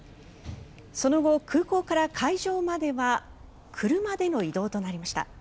その後、空港から会場までは車での移動となりました。